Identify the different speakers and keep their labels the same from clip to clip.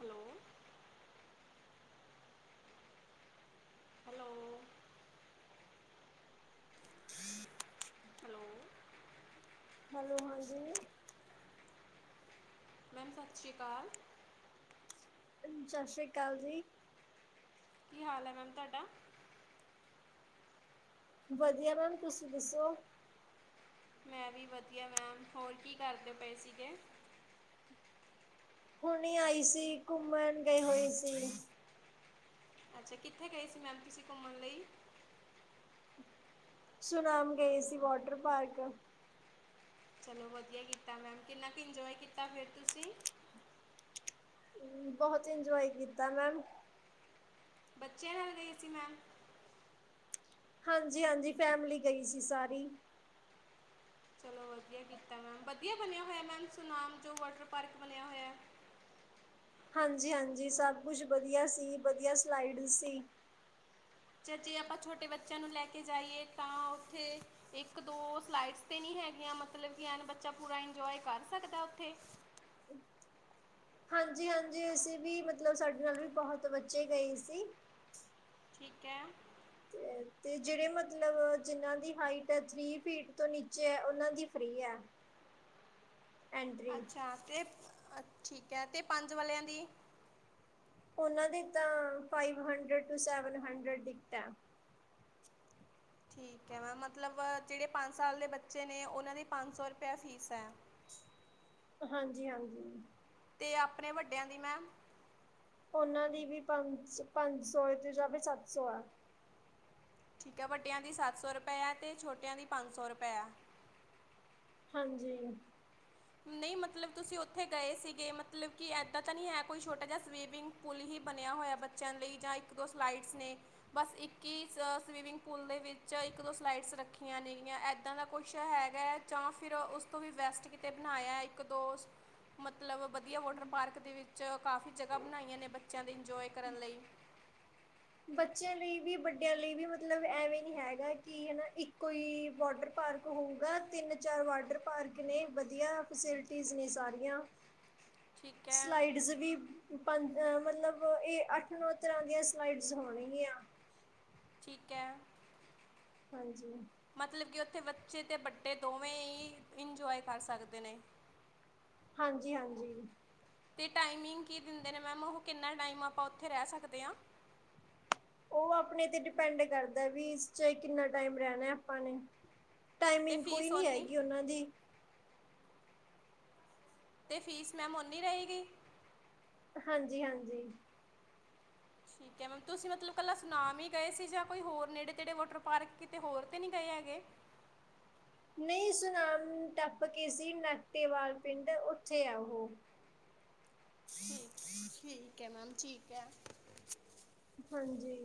Speaker 1: Hello hello
Speaker 2: [inaudible]
Speaker 1: hello
Speaker 2: hello, ਹਾਂਜੀ।
Speaker 1: Ma'am ਸਤਿ ਸ਼੍ਰੀ ਅਕਾਲ।
Speaker 2: ਸਤਿ ਸ਼੍ਰੀ ਅਕਾਲ ਜੀ।
Speaker 1: ਕੀ ਹਾਲ ਹੈ ਮੈਮ ਤੁਹਾਡਾ?
Speaker 2: ਵਧੀਆ ਮੈਮ, ਤੁਸੀਂ ਦੱਸੋ?
Speaker 1: ਮੈਂ ਵੀ ਵਧੀਆ ਮੈਮ, ਹੋਰ ਕੀ ਕਰਦੇ ਪਏ ਸੀਗੇ?
Speaker 2: ਹੁਣੇ ਆਈ ਸੀ, ਘੁੰਮਣ ਗਏ ਹੋਏ ਸੀ।
Speaker 1: ਅੱਛਾ। ਕਿੱਥੇ ਗਏ ਸੀ ਮੈਮ ਤੁਸੀਂ ਘੁੰਮਣ ਲਈ?
Speaker 2: ਸੁਨਾਮ ਗਏ ਸੀ ਵਾਟਰ ਪਾਰਕ।
Speaker 1: ਚਲੋ ਵਧੀਆ ਕੀਤਾ ਮੈਮ ਕਿੰਨਾ ਕੁ ਇੰਜੋਏ ਕੀਤਾ ਫਿਰ ਤੁਸੀਂ?
Speaker 2: ਬੋਹਤ ਇੰਜੋਏ ਕੀਤਾ ਮੈਮ
Speaker 1: ਬੱਚਿਆਂ ਨਾਲ ਗਏ ਸੀ ਮੈਮ?
Speaker 2: ਹਾਂਜੀ-ਹਾਂਜੀ ਫੈਮਲੀ ਗਈ ਸੀ ਸਾਰੀ।
Speaker 1: ਚਲੋ ਵਧੀਆ ਕੀਤਾ ਮੈਮ ਵਧੀਆ ਬਣਿਆ ਹੋਇਆ ਮੈਮ ਸੁਨਾਮ ਜੋ ਵਾਟਰ ਪਾਰਕ ਬਣਿਆ ਹੋਇਆ?
Speaker 2: ਹਾਂਜੀ-ਹਾਂਜੀ ਸਭ ਕੁਛ ਵਧੀਆ ਸੀ ਵਧੀਆ ਸਲਾਈਡ ਸੀ।
Speaker 1: ਛ ਜੇ ਆਪਾਂ ਛੋਟੇ ਬੱਚਿਆਂ ਨੂੰ ਲੈ ਕੇ ਜਾਈਏ ਤਾਂ ਉੱਥੇ? ਇੱਕ-ਦੋ ਸਲਾਈਡਸ ਤੇ ਨੀ ਹੈਗੀਆਂ ਮਤਲਬ ਕਿ ਬੱਚਾ ਪੂਰਾ ਇੰਜੋਏ ਕਰ ਸਕਦਾ ਉੱਥੇ?
Speaker 2: ਹਾਂਜੀ-ਹਾਂਜੀ ਅਸੀਂ ਵੀ ਮਤਲਬ ਸਾਡੇ ਨਾਲ ਵੀ ਬਹੁਤ ਬੱਚੇ ਗਏ ਸੀ।
Speaker 1: ਠੀਕ ਹੈ।
Speaker 2: ਤੇ
Speaker 1: [inaudible]
Speaker 2: ਤੇ ਜਿਹੜੇ ਮਤਲਬ ਜਿਨ੍ਹਾਂ ਦੀ ਹਾਈਟ ਥ੍ਰੀ ਫੀਟ ਤੋਂ ਨੀਚੇ ਏ ਉਹਨਾਂ ਦੀ ਫ੍ਰੀ ਏ।
Speaker 1: [inaudible]
Speaker 2: ਐਂਟਰੀ
Speaker 1: ਹਾ ਤੇ ਠੀਕ ਐ ਤੇ ਪੰਜ ਵਾਲਿਆਂ ਦੀ
Speaker 2: ਉਹਨਾਂ ਦੀ ਤਾਂ five hundred to seven hundred ticket ਐ।
Speaker 1: ਠੀਕ ਏ ਮੈਮ ਮਤਲਬ ਜਿਹੜੇ ਪੰਜ ਸਾਲ ਦੇ ਬੱਚੇ ਨੇ ਉਹਨਾਂ ਦੀ ਪੰਜ ਸੌ ਰੁਪਇਆ ਫ਼ੀਸ ਐਂ।
Speaker 2: ਹਾਂਜੀ-ਹਾਂਜੀ।
Speaker 1: ਤੇ ਆਪਣੇ ਵੱਡਿਆਂ ਦੀ ਮੈਮ?
Speaker 2: ਉਹਨਾਂ ਦੀ ਵੀ ਪੰਜ-ਪੰਜ ਸੌ ਤੇ ਜਾਂ ਫ ਸੱਤ ਸੌ ਆ।
Speaker 1: ਠੀਕ ਐ ਵਾਡੀਆ ਦੀ ਸੱਤ ਸੌ ਰੁਪਏਆ ਤੇ ਛੋਟਿਆਂ ਦੀ ਪੰਜ ਸੌ ਰੁਪਏ ਏ।
Speaker 2: ਹਾਂਜੀ।
Speaker 1: ਨਹੀਂ ਮਤਲਬ ਤੁਸੀਂ ਉੱਥੇ ਗਏ ਸੀਗੇ ਮਤਲਬ ਕਿ ਏਦਾਂ ਤਾਂ ਨਹੀਂ ਹੈ ਕੋਈ ਛੋਟਾ ਜਿਹਾ ਸਵੀਮਿੰਗ ਪੂਲ ਹੀ ਬਣਿਆ ਹੋਇਆ ਬ ਬੱਚਿਆਂ ਲਈ ਜਾਂ ਇਕ -ਦੋ ਸਲਾਈਡਸ ਨੇ? ਬਸ ਇੱਕ ਹੀ ਸਵੀਮਿੰਗ ਪੂਲ ਦੇ ਵਿੱਚ ਇੱਕ-ਦੋ ਸਲਾਈਡਸ ਰੱਖੀਆਂ ਨੇਗੀਆਂ ਨੇ। ਇੱਦਾਂ ਦਾ ਕੁਝ ਹੈਗਾ ਜਾਂ ਫੇਰ ਉਸ ਤੋਂ ਵੀ ਬੈਸਟ ਕਿਤੇ ਬਣਾਇਆ ਇੱਕ-ਦੋ ਮਤਲਬ ਵਧੀਆ ਵਾਟਰ ਪਾਰਕ ਦੇ ਵਿੱਚ ਕਾਫੀ ਜਗ੍ਹਾ ਬਣਾਈਆਂ ਨੇ ਬੱਚਿਆਂ ਦੇ ਇੰਜੋਏ ਕਰਨ ਲਈ
Speaker 2: ਬੱਚਿਆਂ ਲਈ ਵੀ ਵੱਡਿਆਂ ਲਈ ਵੀ ਮਤਲਬ ਐਵੇਂ ਨੀ ਹੈਗਾ ਕਿ ਹਨਾ ਇੱਕੋ ਹੀ ਵਾਟਰ ਪਾਰਕ ਹੋਊਗਾ ਤਿੰਨ-ਚਾਰ ਵਾਟਰ ਪਾਰਕ ਨੇ ਵਧੀਆ ਫੈਸਿਲਿਟੀਜ ਨੇ ਸਾਰੀਆਂ।
Speaker 1: ਠੀਕ ਹੈ
Speaker 2: ਸਲਾਈਡਸ ਵੀ ਪਾਨ ਮਤਲਬ ਇਹ ਅੱਠ-ਨੌ ਤਰ੍ਹਾਂ ਦੀਆਂ ਸਲਾਈਡ ਹੋਣਗੀਆਂ।
Speaker 1: ਠੀਕ ਐ।
Speaker 2: ਹਾਂਜੀ।
Speaker 1: ਮਤਲਬ ਕਿ ਉੱਥੇ ਬੱਚੇ ਤੇ ਬਡੇ ਦੋਵੇਂ ਹੀ ਇੰਜੋਏ ਕਰ ਸਕਦੇ ਨੇ। [inaudible]
Speaker 2: ਹਾਂਜੀ-ਹਾਂਜੀ।
Speaker 1: ਤੇ ਟਾਈਮਿੰਗ ਕੀ ਦਿੰਦੇ ਨੇ ਮੈਮ ਉਹ ਕਿੰਨਾ ਟਾਈਮ ਆਪਾਂ ਉੱਥੇ ਰਹਿ ਸਕਦੇ ਆਂ?
Speaker 2: ਉਹ ਆਪਣੇ ਤੇ ਡਿਪੈਂਡ ਕਰਦਾ ਵੀ ਇਸ ਚ ਕਿੰਨਾ ਟਾਈਮ ਰਹਿਣਾ ਆਪਾਂ ਨੇ।
Speaker 1: ਅਤੇ
Speaker 2: ਟਾਈਮਿੰਗ ਕੋਈ
Speaker 1: ਫੀਸ
Speaker 2: ਨੀ
Speaker 1: ਓਨੀ
Speaker 2: ਹੈਗੀ ਓਨਾਂ ਦੀ।
Speaker 1: ਤੇ ਫ਼ੀਸ ਮੈਮ ਓਨੀ ਰਏਗੀ?
Speaker 2: ਹਾਂਜੀ-ਹਾਂਜੀ।
Speaker 1: ਠੀਕ ਏ, ਮੈਮ ਤੁਸੀਂ ਮਤਲਬ ਕੱਲਾ ਸੁਨਾਮ ਈ ਗਏ ਸੀ ਜਾਂ ਕੋਈ ਹੋਰ ਨੇੜੇ-ਤੇੜੇ ਵਾਟਰ ਪਾਰਕ ਕਿਤੇ ਹੋਰ ਤੇ ਨਹੀਂ ਗਏ ਹੈਗੇ?
Speaker 2: ਨਈ ਸੁਣਾਮ ਟੱਪ ਕੇ ਸੀ ਨਾਟੇਵਾਲ ਪਿੰਡ ਉੱਥੇ ਆ ਓ।
Speaker 1: ਠੀਕ- ਠੀਕ ਐ ਮੈਮ, ਠੀਕ ਐ।
Speaker 2: ਹਾਂਜੀ।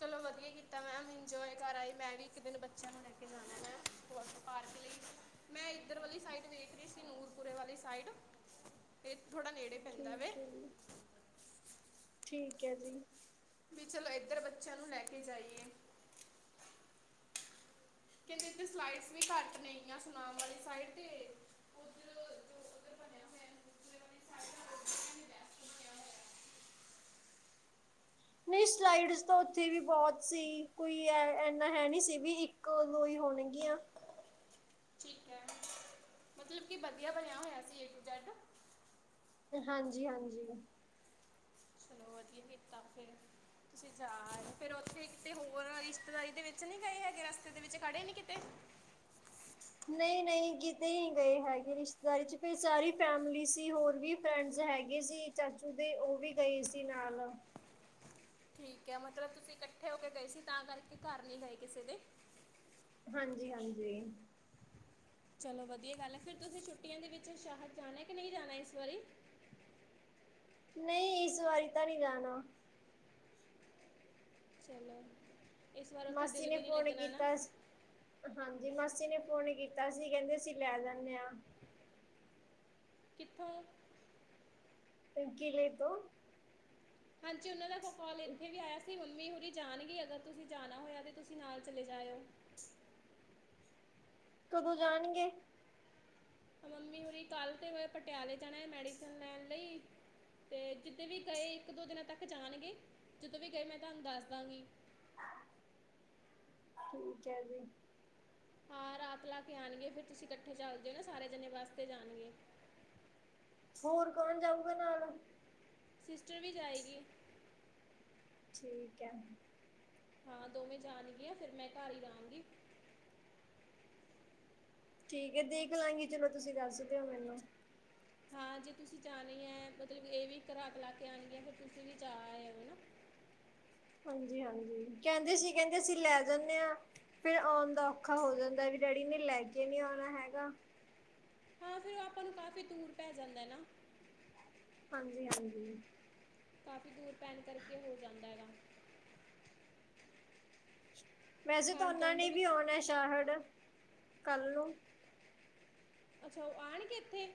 Speaker 1: ਚਲੋਂ ਵਧੀਆਂ ਕੀਤਾਂ ਮੈਂਮ ਇਨਜੋਏ ਕਰ ਆਏ, ਮੈਂ ਵੀ ਇੱਕ ਦਿਨ ਬੱਚਿਆਂ ਨੂੰ ਲੈ ਕੇ ਜਾਣਾ ਮੈ ਪਾਰਕ ਲਈ, ਮੈਂ ਇੱਧਰ ਵਾਲੀ ਸਾਈਡ ਵੇਖ ਰਹੀ ਸੀ ਨੂਰਪੁਰੇ ਵਾਲੀ ਸਾਈਡ ਤੇ ਥੋੜਾ ਨੇੜੇ ਪੈਂਦਾ ਵੇ
Speaker 2: ਠੀਕ ਹੈ ਜੀ। ਠੀਕ ਹੈ ਜੀ।
Speaker 1: ਵੀ ਚਲੋ ਏਧਰ ਬੱਚਿਆਂ ਨੂੰ ਲੈ ਕੇ ਜਾਈਏ ਕਹਿੰਦੇ ਇੱਥੇ ਸਲਾਈਡਸ ਵੀ ਘੱਟ ਨੇ ਹੈਗੀਆ, ਸੁਨਾਮ ਵਾਲੀ ਸਾਈਡ ਤੇ ਉੱਧਰ ਦਾ ਉਹ ਬੈਸਟ ਬਣਿਆ ਹੋਇਆ
Speaker 2: ਨਹੀਂ ਸਲਾਈਡਸ ਤਾਂ ਉੱਥੇ ਵੀ ਬਹੁਤ ਸੀ, ਕੋਈ ਐਨਾ ਹੈਨੀ ਸੀ ਵੀ ਇੱਕ -ਕ ਦੋ ਈ ਹੋਣਗੀਆਂ।
Speaker 1: ਠੀਕ ਹੈ ਮਤਲਬ ਵਧੀਆ ਬਣਿਆਂ ਹੋਇਆਂ ਸੀ ਏ ਟੂ ਜੈਡ
Speaker 2: ਹਾਂਜੀ -ਹਾਂਜੀ।
Speaker 1: ਕੀ ਕੀਤਾ ਫਿਰ ਤੁਸੀਂ ਜਾ ਆਏਂ, ਫਿਰ ਉੱਥੇ ਕਿਤੇ ਹੋਰ ਰਿਸ਼ਤੇਦਾਰੀ ਦੇ ਵਿੱਚ ਨੀ ਗਏ ਹੈਗੇ, ਰਸਤੇ ਦੇ ਵਿੱਚ ਖੜੇ ਨੀ ਕਿਤੇ
Speaker 2: ਨਹੀਂ‍- ਨਹੀਂ ਕਿਤੇ ਨੀ ਗਏ ਹੈਗੇ ਰਿਸ਼ਤੇਦਾਰੀ ਚ, ਫਿਰ ਸਾਰੀ ਫੈਮਲੀ ਸੀ ਹੋਰ ਵੀ ਫਰੈਂਡਸ ਹੈਗੇ ਸੀ, ਚਾਚੂ ਦੇ ਓ‌ ਵੀ ਗਏ ਸੀ ਨਾਲ
Speaker 1: ਠੀਕ ਹੈ ਮਤਲਬ ਤੁਸੀਂ ਇਕੱਠੇ ਹੋ ਕੇ ਗਏ ਸੀ, ਤਾਂ ਕਰਕੇ ਘਰ ਨੀ ਗਏ ਕਿਸੇ ਦੇ
Speaker 2: ਹਾਂਜੀ -ਹਾਂਜੀ।
Speaker 1: ਚਲੋਂ ਵਧੀਆਂ ਗੱਲ ਐ, ਫਿਰ ਤੁਸੀਂ ਛੁੱਟੀਆਂ ਦੇ ਵਿੱਚ ਸ਼ਾਹਰ ਜਾਣਾ ਕਿ ਨਹੀਂ ਜਾਣਾ ਇਸ ਵਾਰੀਂ
Speaker 2: ਨਹੀਂ ਇਸ ਵਾਰੀ ਤਾਂ ਨੀਂ ਜਾਣਾ
Speaker 1: ਚਲੋ। ਇਸ ਵਾਰ ਉੱਥੇ
Speaker 2: ਮਾਸੀ
Speaker 1: ਦਿਲ
Speaker 2: ਨੇ
Speaker 1: ਵੀ ਨਹੀਂ
Speaker 2: ਫ਼ੋਨ
Speaker 1: ਲੱਗਣਾ ਨਾ
Speaker 2: ਕੀਤਾ ਹਾਂਜੀ ਮਾਸੀ ਨੇ ਫੋਨ ਕੀਤਾ ਸੀ, ਕਹਿੰਦੇ ਅਸੀਂ ਲੈ ਜਾਂਨੇ ਆ
Speaker 1: ਕਿੱਥੋਂ
Speaker 2: [unintelligible] ਤੋਂ
Speaker 1: ਹਾਂਜੀ ਉਹਨਾਂ ਦਾ ਫ ਕਾਲ ਇੱਥੇ ਵੀ ਆਇਆ ਸੀ, ਮੰਮੀ ਹੁਰੀ ਜਾਣਗੇ ਅਗਰ ਤੁਸੀਂ ਜਾਣਾ ਹੋਇਆ ਤਾਂ ਤੁਸੀਂ ਨਾਲ ਚਲੇ ਜਾਇਓ।
Speaker 2: ਕਦੋਂ ਜਾਣਗੇ
Speaker 1: ਮੰਮੀ ਹੁਰੀ ਕੱਲ ਤੇ ਅ ਪਟਿਆਲ਼ੇ ਜਾਣਾ ਐ, ਮੈਡੀਸਨ ਲੈਣ ਲਈ ਅਤੇ ਜਿੱਦੇ ਵੀ ਗਏ ਇੱਕ -ਦੋ ਦਿਨਾਂ ਤੱਕ ਜਾਣਗੇ, ਜਦੋਂ ਵੀ ਗਏ ਮੈਂ ਤੁਹਾਨੂੰ ਦੱਸ ਦਾਂਗੀ
Speaker 2: ਠੀਕ ਹੈ ਜੀ।
Speaker 1: ਹਾਂ ਰਾਤ ਲਾ ਕੇ ਆਣਗੇ, ਫਿਰ ਤੁਸੀਂ ਇਕੱਠੇ ਚਲ ਜਿਓ ਨਾ ਸਾਰੇ ਜਣੇ ਬੱਸ ਜਾਣਗੇ
Speaker 2: ਹੋਰ ਕੌਣ ਜਾਊਗਾ ਨਾਲ
Speaker 1: ਸਿਸਟਰ ਵੀ ਜਾਏਗੀ
Speaker 2: ਠੀਕ ਹੈ
Speaker 1: ਹਾਂ ਦੋਵੇਂ ਜਾਣਗੀਆਂ, ਫਿਰ ਮੈਂ ਘਰ ਹੀ ਰਹਾਗੀ।
Speaker 2: ਠੀਕ ਐ ਦੇਖ ਲਾਗੀ, ਚਲੋ ਤੁਸੀਂ ਦੱਸ ਦਿਓ ਮੈਨੂੰ
Speaker 1: ਹਾਂ ਜੇ ਤੁਸੀਂ ਜਾਣੇ ਐ ਮਤਲਬ ਇਹ ਵੀ ਇਕ ਰਾਤ ਲਾ ਕੇ ਆਣਗੇ, ਫਿਰ ਤੁਸੀਂ ਵੀ ਜਾ ਆਇਓ ਹਨਾ
Speaker 2: ਹਾਂਜੀ- ਹਾਂਜੀ, ਕਹਿੰਦੇ ਸੀ- ਕਹਿੰਦੇ ਅਸੀਂ ਲੈ ਜਾਂਨੇ ਆ ਫਿਰ ਆਉਣ ਦਾ ਔਖਾ ਹੋ ਜਾਂਦਾ ਵੀ, ਡੈਡੀ ਨੇ ਲੈ ਕੇ ਨੀ ਆਉਣਾ ਹੈਗਾ।
Speaker 1: ਹਾਂ ਫਿਰ ਔ ਆਪਾਂ ਨੂੰ ਕਾਫ਼ੀ ਦੂਰ ਪੈ ਜਾਂਦਾ ਐ ਨਾ।
Speaker 2: ਹਾਂਜੀ -ਹਾਂਜੀ।
Speaker 1: ਕਾਫ਼ੀ ਦੂਰ ਪੈਣ ਕਰਕੇ ਹੋ ਜਾਂਦਾ ਹੈਗਾ।
Speaker 2: ਵੈਸੇ ਤਾਂ
Speaker 1: ਆਉਣ
Speaker 2: ਉਹਨਾਂ
Speaker 1: ਜਾਣ ਦੇ
Speaker 2: ਨੇ ਵੀ
Speaker 1: ਵਿੱਚ
Speaker 2: ਆਉਣਾ ਛਾਹੜ, ਕੱਲ ਨੂੰ।
Speaker 1: ਅੱਛਾ ਉਹ ਆਣਗੇਂ ਇੱਥੇ।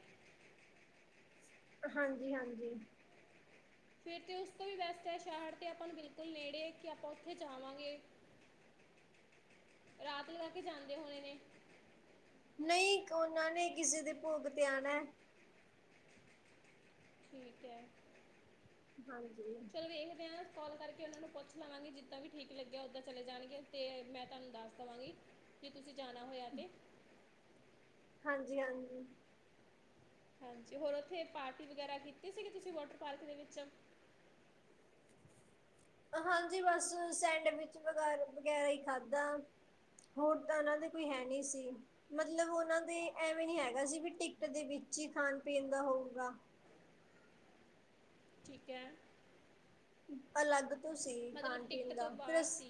Speaker 2: ਹਾਂਜੀ, ਹਾਂਜੀ।
Speaker 1: ਫਿਰ ਤਾਂ ਉਸ ਤੋਂ ਵੀ ਬੈਸਟ ਹੈ ਸ਼ਹਿਰ 'ਤੇ ਆਪਾਂ ਨੂੰ ਬਿਲਕੁਲ ਨੇੜੇ ਕਿ ਆਪਾਂ ਉੱਥੇ ਜਾਵਾਂਗੇ। ਰਾਤ ਲਗਾ ਕੇ ਜਾਂਦੇ ਹੋਣੇ ਨੇ।
Speaker 2: ਨਹੀਂ ਉਹਨਾਂ ਨੇ ਕਿਸੇ ਦੇ ਭੋਗ ਤੇ ਆਣਾ ਏ।
Speaker 1: ਠੀਕ ਏ।
Speaker 2: ਹਾਂਜੀ।
Speaker 1: ਚਲੋ ਵੇਖਦੇ ਹਾਂ ਕੋਲ ਕਰਕੇ ਉਹਨਾਂ ਨੂੰ ਪੁੱਛ ਲਵਾਂਗੇ ਜਿੱਦਾਂ ਵੀ ਠੀਕ ਲੱਗਿਆ ਉੱਦਾਂ ਚਲੇ ਜਾਣਗੇ। ਅਤੇ ਮੈਂ ਤੁਹਾਨੂੰ ਦੱਸ ਦੇਵਾਂਗੀ ਕਿ ਤੁਸੀਂ ਜਾਣਾ ਹੋਇਆ ਤੇ
Speaker 2: ਹਾਂਜੀ, ਹਾਂਜੀ।
Speaker 1: ਹਾਂਜੀ ਹੋਰ ਉੱਥੇ ਪਾਰਟੀ ਵਗੈਰਾ ਕੀਤੀ ਸੀਗੀ ਤੁਸੀਂ ਵਾਟਰ ਪਾਰਕ ਦੇ ਵਿੱਚ।
Speaker 2: ਹਾਂਜੀ ਬਸ ਸੈਂਡਵਿਚ ਵਗ ਵਗੈਰਾ ਹੀ ਖਾਧਾ। ਹੋਰ ਤਾਂ ਉਹਨਾਂ ਦੇ ਕੋਈ ਹੈ ਨਹੀਂ ਸੀ। ਮਤਲਬ ਉਹਨਾਂ ਦੇ ਐਵੇਂ ਨੀ ਹੈਗਾ ਸੀ ਵੀ ਟਿਕਟ ਦੇ ਵਿੱਚ ਹੀ ਖਾਣ ਪੀਣ ਦਾ ਹੋਊਗਾ।
Speaker 1: ਠੀਕ ਏ।
Speaker 2: ਅਲੱਗ ਤੋਂ ਸੀ
Speaker 1: ਮਤਲਬ
Speaker 2: ਖਾਣ ਪੀਣ
Speaker 1: ਟਿਕਟ
Speaker 2: ਦਾ
Speaker 1: ਤੋਂ
Speaker 2: ਫਿਰ
Speaker 1: ਬਾਹਰ
Speaker 2: ਅਸ
Speaker 1: ਸੀ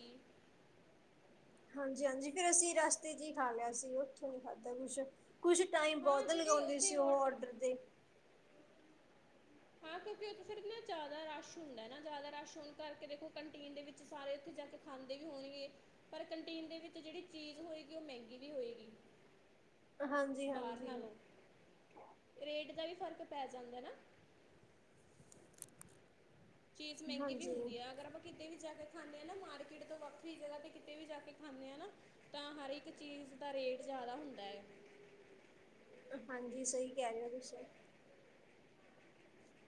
Speaker 2: ਹਾਂਜੀ -ਹਾਂਜੀ ਫਿਰ ਅਸੀਂ ਰਸਤੇ ਚ ਹੀ ਖਾ ਲਿਆ ਸੀ ਉੱਥੋਂ ਨੀ ਖਾਧਾ ਕੁਛ। ਕੁਝ ਟਾਈਮ
Speaker 1: ਹਾਂ
Speaker 2: ਬਹੁਤ
Speaker 1: ਜਿਹੜੀ
Speaker 2: ਲਗਾਉਂਦੇ ਸੀ
Speaker 1: ਉੱਥੇ
Speaker 2: ਉਹ
Speaker 1: ਵਾਟਰ
Speaker 2: ਔਡਰ ਦੇ
Speaker 1: ਹਾਂ ਕਿਉਂਕਿ ਉੱਥੇ ਸਿਰਫ ਨਾ ਜ਼ਿਆਦਾ ਰਸ਼ ਹੁੰਦਾ ਨਾ ਜ਼ਿਆਦਾ ਰਸ਼ ਹੋਣ ਕਰਕੇ ਦੇਖੋ ਕੰਟੀਨ ਦੇ ਵਿੱਚ ਸਾਰੇ ਉੱਥੇ ਜਾ ਕੇ ਖਾਂਦੇ ਵੀ ਹੋਣਗੇ, ਪਰ ਕੰਟੀਨ ਦੇ ਵਿੱਚ ਜਿਹੜੀ ਚੀਜ਼ ਹੋਏਗੀ ਉਹ ਮਹਿੰਗੀ ਵੀ ਹੋਏਗੀ।
Speaker 2: ਹਾਂਜੀ
Speaker 1: ਬਾਹਰ
Speaker 2: ਹਾਂਜੀ
Speaker 1: ਨਾਲੋਂ, ਰੇਟ ਦਾ ਵੀ ਫ਼ਰਕ ਪੈ ਜਾਂਦਾ ਨਾ। ਚੀਜ਼ ਮਹਿੰਗੀ ਵੀ
Speaker 2: ਹਾਂਜੀ
Speaker 1: ਹੁੰਦੀ ਹੈ ਅਗਰ ਆਪਾਂ, ਕਿਤੇ ਵੀ ਜਾ ਕੇ ਖਾਂਨੇ ਆ ਨਾ, ਮਾਰਕੀਟ ਤੋਂ ਵੱਖਰੀ ਜਗ੍ਹਾ ਤੇ ਕਿਤੇ ਵੀ ਜਾ ਕੇ ਖਾਂਨੇ ਆ ਨਾ, ਤਾਂ ਹਰ ਇੱਕ ਚੀਜ਼ ਦਾ ਰੇਟ ਜ਼ਿਆਦਾ ਹੁੰਦਾ ਹੈ।
Speaker 2: ਹਾਂਜੀ ਸਹੀ ਕਹਿ ਰਹੇ ਹੋ ਤੁਸੀਂ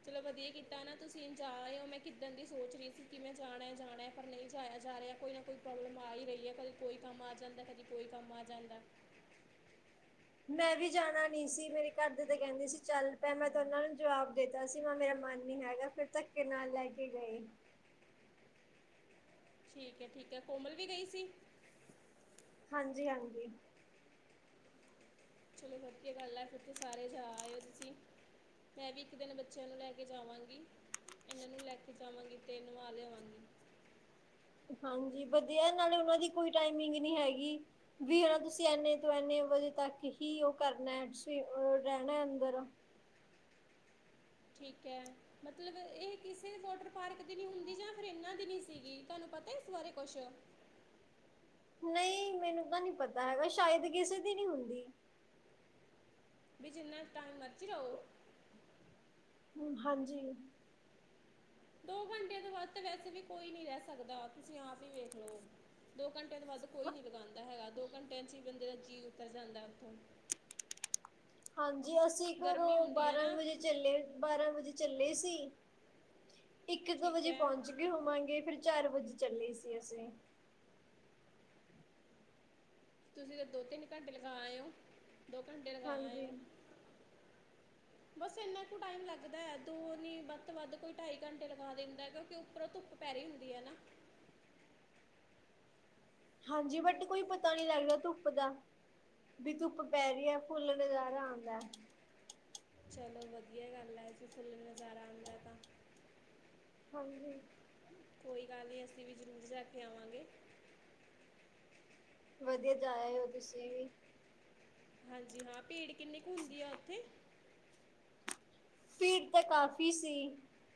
Speaker 1: ਚਲੋ ਵਧੀਆ ਕੀਤਾ ਨਾ ਤੁਸੀਂ ਜਾ ਰਹੇ ਹੋ ਮੈਂ ਕਿੱਦਣ ਦੀ ਸੋਚ ਰਹੀ ਸੀ ਕਿ ਮੈਂ ਜਾਣਾ ਜਾਣਾ ਪਰ ਨਹੀਂ ਜਾਇਆ ਜਾ ਰਿਹਾ ਕੋਈ ਨਾ, ਕੋਈ ਪ੍ਰੋਬਲਮ ਆ ਹੀ ਰਹੀ ਹੈ ਕਦੇ ਕੋਈ ਕੰਮ ਆ ਜਾਂਦਾ ਕਦੇ ਕੋਈ ਕੰਮ ਆ ਜਾਂਦਾ।
Speaker 2: ਮੈਂ ਵੀ ਜਾਣਾ ਨੀ ਸੀ ਮੇਰੇ ਘਰ ਦੇ ਤੇ ਕਹਿੰਦੇ ਸੀ ਚੱਲ ਪੈ ਮੈਂ ਤੇ ਉਹਨਾਂ ਨੂੰ ਜਵਾਬ ਦੇ ਤਾ ਸੀ ਮੇਰਾ ਮਨ ਨੀ ਹੈਗਾ ਫਿਰ ਧੱਕੇ ਨਾਲ ਲੈ ਕੇ ਗਏ।
Speaker 1: ਠੀਕ ਹੈ, ਠੀਕ ਹੈ, ਕੋਮਲ ਵੀ ਗਈ ਸੀ।
Speaker 2: ਹਾਂਜੀ, ਹਾਂਜੀ।
Speaker 1: ਚਲੋ ਵਧੀਆ ਗੱਲ ਆ ਫਿਰ ਤੇ ਸਾਰੇ ਜਾ ਆਏ ਓ ਤੁਸੀਂ। ਮੈਂ ਵੀ ਇੱਕ ਦਿਨ ਬੱਚਿਆਂ ਨੂੰ ਲੈ ਕੇ ਜਾਵਾਂਗੀ। ਇਹਨਾਂ ਨੂੰ ਲੈ ਕੇ ਜਾਵਾਂਗੀ ਤੇ ਨਵਾ ਲਿਆਵਾਂਗੀ।
Speaker 2: ਹਾਂਜੀ ਵਧੀਆ ਨਾਲੇ ਉਹਨਾਂ ਦੀ ਕੋਈ ਟਾਈਮਿੰਗ ਨਹੀਂ ਹੈਗੀ। ਵੀ ਹਨਾ ਤੁਸੀਂ ਐਨੇ ਤੋਂ ਐਨੇ ਵਜੇ ਤੱਕ ਹੀ ਉਹ ਕਰਨਾ ਤੁਸੀਂ ਰਹਿਣਾ ਅੰਦਰ
Speaker 1: ਠੀਕ ਏ ਮਤਲਬ ਇਹ ਕਿਸੇ ਵਾਟਰ ਪਾਰਕ ਦੀ ਨੀ ਹੁੰਦੀ ਜਾਂ ਫਿਰ ਇਹਨਾਂ ਦੀ ਨੀ ਸੀਗੀ ਤੁਹਾਨੂੰ ਪਤਾ ਇਸ ਬਾਰੇ ਕੁਛ
Speaker 2: ਨਹੀਂ ਮੈਨੂੰ ਤਾਂ ਨਹੀਂ ਪਤਾ ਹੈਗਾ, ਸ਼ਾਇਦ ਕਿਸੇ ਦੀ ਨਹੀਂ ਹੁੰਦੀ।
Speaker 1: ਵੀ ਜਿੰਨਾ ਟਾਈਮ ਮਰਜ਼ੀ ਰਹੋ।
Speaker 2: ਹੂ ਹਾਂਜੀ।
Speaker 1: ਦੋ ਘੰਟਿਆ ਤੋਂ ਵੱਧ ਵੈਸੇ ਵੀ ਕੋਈ ਨੀ ਰਹਿ ਸਕਦਾ ਤੁਸੀਂ ਆਪ ਹੀ ਵੇਖ ਲਓ। ਦੋ ਘੰਟਿਆਂ ਤੋਂ ਵੱਧ ਕੋਈ
Speaker 2: ਹਾਂ-
Speaker 1: ਨਹੀਂ ਲਗਾਉਂਦਾ ਹੈਗਾ ਦੋ ਘੰਟਿਆਂ ਚ ਹੀ ਬੰਦੇ ਦਾ ਜੀਅ ਉਤਰ ਜਾਂਦਾ ਉੱਥੋਂ।
Speaker 2: ਹਾਂਜੀ ਅਸੀਂ
Speaker 1: ਗਰਮੀ
Speaker 2: ਘਰੋਂ
Speaker 1: ਹੁੰਦੀ ਹੈ
Speaker 2: ਬਾਰਾਂ
Speaker 1: ਨਾ
Speaker 2: ਵਜੇ ਚੱਲੇ, ਬਾਰਾਂ ਵਜੇ ਚੱਲੇ ਸੀ, ਇੱਕ ਕ
Speaker 1: ਠੀਕ
Speaker 2: ਵਜੇ
Speaker 1: ਹੈ
Speaker 2: ਪਹੁੰਚ ਗੇ ਹੋਵਾਂਗੇ ਫਿਰ ਚਾਰ ਵਜੇ ਚੱਲੇ ਸੀ ਅਸੀਂ।
Speaker 1: ਤੁਸੀਂ ਤਾਂ ਦੋ ਤਿੰਨ ਘੰਟੇ ਲਗਾ ਆਏ ਓ, ਦੋ ਘੰਟੇ ਲਗਾ ਆਏ
Speaker 2: ਹਾਂਜੀ,
Speaker 1: ਓ। ਬਸ ਇੰਨਾ ਕੁ ਟਾਈਮ ਲੱਗਦਾ ਐ ਦੋ ਨੀ ਵੱਧ ਤੋਂ ਵੱਧ ਕੋਈ ਢਾਈ ਘੰਟੇ ਲਗਾ ਦਿੰਦਾ ਕਿਉਂਕਿ ਉੱਪਰੋਂ ਧੁੱਪ ਪੈ ਰੀ ਹੁੰਦੀ ਐ ਨਾ।
Speaker 2: ਹਾਂਜੀ ਬਟ ਕੋਈ ਪਤਾ ਨੀ ਲੱਗਦਾ ਧੁੱਪ ਦਾ। ਵੀ ਧੁੱਪ ਪੈ ਰੀ ਐ ਫੁੱਲ ਨਜ਼ਾਰਾ ਆਂਦਾ।
Speaker 1: ਚਲੋ ਵਧੀਆ ਗੱਲ ਐ ਜੇ ਫੁੱਲ ਨਜ਼ਾਰਾ ਆਂਦਾ ਤਾਂ।
Speaker 2: ਹਾਂਜੀ।
Speaker 1: ਕੋਈ ਗੱਲ ਨੀ ਅਸੀਂ ਵੀ ਜ਼ਰੂਰ ਜਾ ਕੇ ਆਵਾਂਗੇ।
Speaker 2: ਵਧੀਆ ਜਾ ਆਏ ਓ ਤੁਸੀਂ ਵੀ।
Speaker 1: ਹਾਂਜੀ ਹਾਂ ਭੀੜ ਕਿੰਨੀ ਕ ਹੁੰਦੀ ਆ ਉੱਥੇ?
Speaker 2: ਭੀੜ ਤਾਂ ਕਾਫ਼ੀ ਸੀ।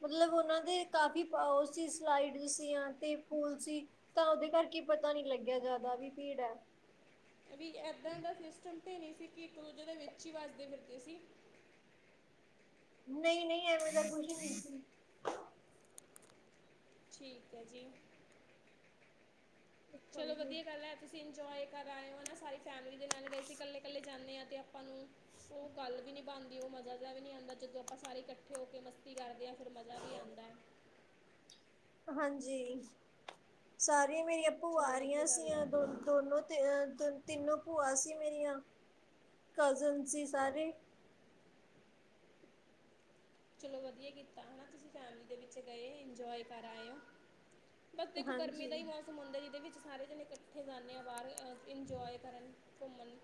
Speaker 2: ਮਤਲਬ ਉਨਾਂ ਦੇ ਕਾਫੀ ਓ ਸੀ ਸਲਾਈਡ ਸੀ ਆ 'ਤੇ ਪੂਲ ਸੀ ਤਾਂ ਉਦੇ ਕਰਕੇ ਪਤਾ ਨੀ ਲੱਗਿਆ ਜਿਆਦਾ ਵੀ ਭੀੜ ਐ।
Speaker 1: ਵੀ ਐਦਾ ਦਾ ਸਿਸਟਮ 'ਤੇ ਨੀ ਸੀ ਕਿ ਇੱਕ-ਦੂਜੇ ਦੇ ਵਿੱਚ ਈ ਵੱਜਦੇ ਫਿਰਦੇ ਸੀ।
Speaker 2: ਨਈ-ਨਈ ਐਵੇਂ ਦਾ ਕੁਛ ਨੀ ਸੀ।
Speaker 1: ਠੀਕ ਐ ਜੀ। ਚਲੋ
Speaker 2: ਹਾਂਜੀ
Speaker 1: ਵਧੀਆ ਗੱਲ ਐ ਤੁਸੀਂ ਇੰਜੋਏ ਕਰ ਆਏ ਓ ਨਾ ਸਾਰੀ ਫੈਮਲੀ ਦੇ ਨਾਲ ਗਏ ਸੀ ਕੱਲੇ-ਕੱਲੇ ਜਾਂਨੇ ਆ 'ਤੇ ਆਪਾਂ ਨੂੰ ਓ ਗੱਲ ਵੀ ਨੀ ਬਣਦੀ ਓ ਮਜ਼ਾ ਜਾ ਵੀ ਨੀ ਆਂਦਾ ਜਦੋਂ ਆਪਾਂ ਸਾਰੇ ਇਕੱਠੇ ਹੋ ਕੇ ਮਸਤੀ ਕਰਦੇ ਆ ਫੇਰ ਮਜ਼ਾ ਵੀ ਆਂਦਾ।
Speaker 2: ਹਾਂਜੀ, ਸਾਰੀਆਂ ਮੇਰੀਆਂ ਭੂਆਂ
Speaker 1: ਚਲੋ
Speaker 2: ਆ ਰੀਆ
Speaker 1: ਵਧੀਆ ਗੱਲ
Speaker 2: ਸੀਆ
Speaker 1: ਹੈ
Speaker 2: ਦੋ ਦੋਨੋ 'ਤੇ ਅ ਤਨ ਤਿੰਨੋ ਭੂਆਂ ਸੀ ਮੇਰੀਆਂ, ਕਜ਼ਨ ਸੀ ਸਾਰੇ
Speaker 1: ਚਲੋ ਵਧੀਆ ਕੀਤਾ ਹਨਾ ਤੁਸੀਂ ਫੈਮਿਲੀ ਦੇ ਵਿੱਚ ਗਏ ਇੰਜੋਏ ਕਰ ਆਏ ਓ। ਬਸ ਦੇਖੋ ਗਰਮੀ ਦਾ
Speaker 2: ਹਾਂਜੀ।
Speaker 1: ਈ ਮੌਸ ਮ ਹੁੰਦਾ ਜੀਦੇ ਵਿੱਚ ਸਾਰੇ ਜਣੇ ਕੱਠੇ ਜਾਣੇ ਆ ਬਾਰ ਅ ਇੰਜੋਏ ਕਰਨ, ਘੁੰਮਣ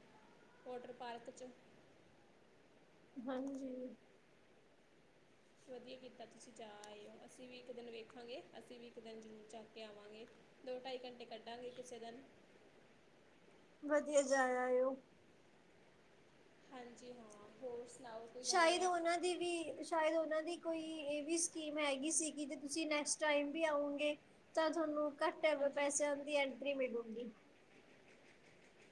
Speaker 1: ਵੋਟਰ ਪਾਰਕ 'ਚ।
Speaker 2: ਹਾਂਜੀ।
Speaker 1: ਵਧੀਆ ਕੀਤਾ ਤੁਸੀਂ ਜਾ ਆਏ ਓ ਅਸੀਂ ਵੀ ਇੱਕ ਦਿਨ ਵੇਖਾਂਗੇ ਅਸੀਂ ਵੀ ਇੱਕ ਦਿਨ ਜ਼ਰੂਰ ਜਾ ਕੇ ਆਵਾਂਗੇ। ਦੋ, ਟਾਈ ਘੰਟੇ ਕੱਢਾਂਗੇ ਕਿਸੇ ਦਿਨ।
Speaker 2: ਵਧੀਆ ਜਾ ਆਏ ਓ।
Speaker 1: ਹਾਂਜੀ ਹਾਂ ਹੋਰ ਸੁਣਾਓ? ਕੋਈ
Speaker 2: ਸ਼ਾਇਦ ਉਨਾ
Speaker 1: [inaudible]
Speaker 2: ਸ਼ਾਇਦ ਉਨਾਂ ਦੀ ਕੋਈ ਏ ਵੀ ਸਕੀਮ ਹੈਗੀ ਸੀ ਕੀ ਜੇ ਤੁਸੀਂ ਨੈਕਸਟ ਟਾਈਮ ਵੀ ਆਓਗੇ ਤਾਂ ਥੋਨੂੰ ਕੱਟ
Speaker 1: ਹਾਂਜੀ
Speaker 2: ਪੈਸਿਆਂ ਦੀ ਐਂਟਰੀ ਮਿਲੂਗੀ।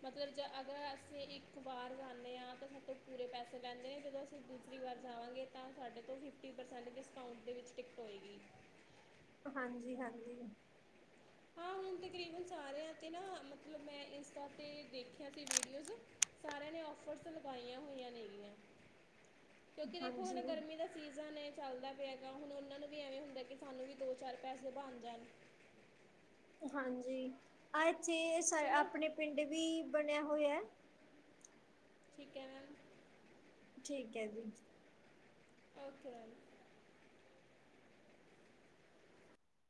Speaker 1: ਮਤਲਬ ਜ ਅਗਰ ਅਸੀਂ ਇੱਕ ਵਾਰ ਜਾਂਨੇ ਆ ਤਾਂ ਸਾਥੋਂ ਪੂਰੇ ਪੈਸੇ ਲੈਂਦੇ ਨੇ ਜਦੋਂ ਅਸ ਤ ਦੂਸਰੀ ਵਾਰ ਜਾਵਾਂਗੇ ਤਾਂ ਸਾਡੇ ਤੋਂ ਫਿਫਟੀ ਪਰਸੈਂਟ ਡਿਸਕਾਊਟ ਦੇ ਵਿੱਚ ਟਿਕਟ ਹੋਏਗੀ।
Speaker 2: ਹਾਂਜੀ-ਹਾਂਜੀ।
Speaker 1: ਹਾਂ ਹੁਣ ਤਕਰੀਬਨ ਸਾਰਿਆਂ 'ਤੇ ਨਾ ਮਤਲਬ ਮੈਂ ਇੰਸਟਾ 'ਤੇ ਦੇਖਿਆ ਸੀ ਵੀਡੀਓਜ਼ ਸਾਰਿਆਂ ਨੇ ਔਫਰਸ ਲਗਾਈਆਂ ਹੋਈਆਂ ਨੇ ਗੀਆ ਕਿਉਂਕਿ ਦੇਖੋ ਹੁਣ
Speaker 2: ਹਾਂਜੀ,
Speaker 1: ਗਰਮੀ ਦਾ ਸੀਜ਼ਨ ਏ ਚੱਲਦਾ ਪਿਆ ਗਾ ਹੁਣ ਉਨਾਂ ਨੂੰ ਵੀ ਐਵੇਂ ਹੁੰਦਾ ਕਿ ਸਾਨੂੰ ਵੀ ਦੋ-ਚਾਰ ਪੈਸੇ ਬਣ ਜਾਨ।
Speaker 2: ਹਾਂਜੀ ਆਏ ਚੇ ਸਾ
Speaker 1: ਚਲੋ
Speaker 2: ਆਪਣੇ ਪਿੰਡ ਵੀ ਬਣਿਆ ਹੋਏ ਐ
Speaker 1: ਠੀਕ ਐ ਮੈਮ।
Speaker 2: ਠੀਕ ਐ ਜੀ।
Speaker 1: ਉਥੇ ਆਈ।